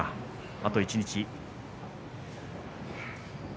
あと一日。